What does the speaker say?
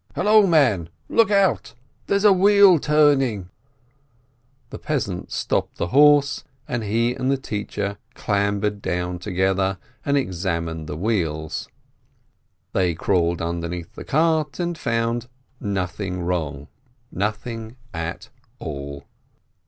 "Hallo, man, look out ! There's a wheel turning !" The peasant stopped the horse, and he and the teacher clambered down together, and examined the wheels. They crawled underneath the cart, and found nothing wrong, nothing at all.